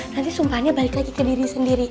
nanti sumpahnya balik lagi ke diri sendiri